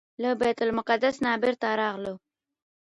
له بیت المقدس نه بیرته راغلو.